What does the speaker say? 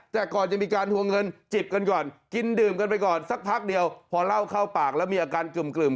แต่ก่อนจะมีการทวงเงินจิบกันก่อนกินดื่มกันไปก่อนสักพักเดียวพอเล่าเข้าปากแล้วมีอาการกึ่ม